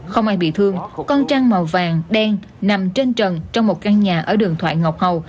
không ai bị thương con trang màu vàng đen nằm trên trần trong một căn nhà ở đường thoại ngọc hầu